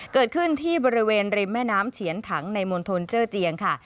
เกิดขึ้นที่บริเวณริมแม่น้ำเฉียนถังในมณฑลเจอร์เจียงค่ะ